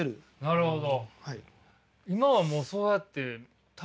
なるほど。